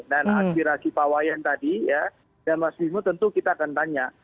dan akhir akhir pak wayan tadi dan mas bimo tentu kita akan tanya